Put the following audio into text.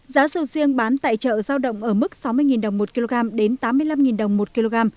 giá sầu riêng bán tại chợ giao động ở mức sáu mươi đồng một kg đến tám mươi năm đồng một kg